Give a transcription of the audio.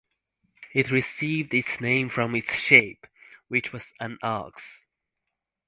It received its name from its shape, which was an ox.